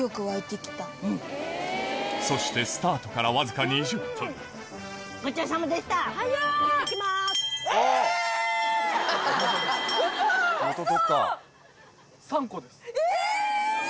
そしてスタートからわずか２０分早っ！